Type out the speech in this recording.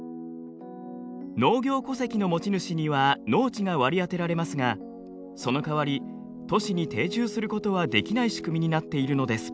農業戸籍の持ち主には農地が割り当てられますがそのかわり都市に定住することはできない仕組みになっているのです。